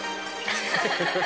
「アハハハ」